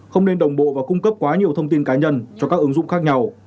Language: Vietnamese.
không nên đồng bộ và cung cấp quá nhiều thông tin cá nhân cho các ứng dụng khác nhau